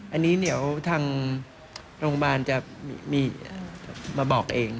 อันนี้เดี๋ยวทางโรงพยาบาลจะมีมาบอกเอง